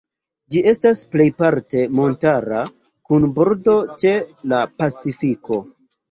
Ĝi estas plejparte montara, kun bordo ĉe la Pacifiko.